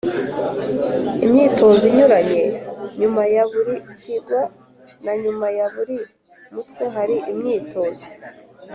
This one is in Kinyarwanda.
imyitozo inyuranye. Nyuma ya buri kigwa na nyuma ya buri mutwe hari imyitozo